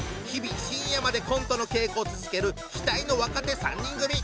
日々深夜までコントの稽古を続ける期待の若手３人組！